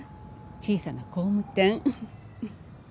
小さな工務店。